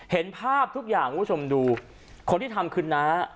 เห็นภาพทุกอย่างคุณผู้ชมดูคนที่ทำคือน้า